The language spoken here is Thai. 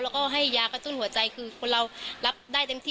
แล้วก็ให้ยากระตุ้นหัวใจคือคนเรารับได้เต็มที่